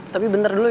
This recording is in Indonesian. tapi bentar dulu ya